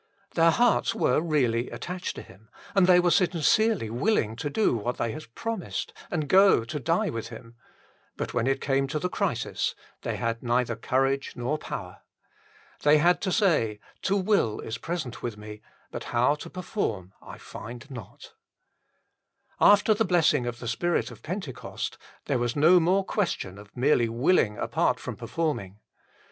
Their hearts were really attached to Him, and they were sincerely willing to do what they had promised and go to die with Him ; but when it came to the crisis, they had neither courage nor power. They had to say :" To will is present 1 Eph. iii. 16 19. 28 THE FULL BLESSING OF PENTECOST with me, but how to perform I find not." After the blessing of the Spirit of Pentecost, there was no more question of merely willing apart from performing.